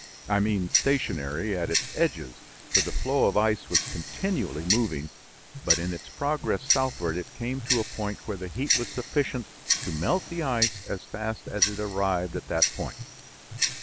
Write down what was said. I mean stationary at its edges, for the flow of ice was continually moving, but in its progress southward it came to a point where the heat was sufficient to melt the ice as fast as it arrived at that point.